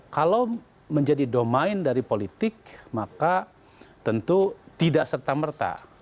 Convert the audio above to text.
kalau menjadi domain dari politik maka tentu tidak serta merta